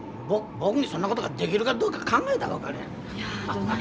僕にそんなことができるかどうか考えたら分かるやん。